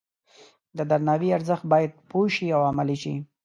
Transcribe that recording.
د درناوي ارزښت باید پوه شي او عملي شي.